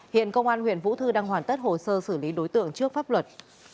hiện công an huyện vũ thư đang hoàn tất hồ sơ xử lý đối tượng trước pháp luật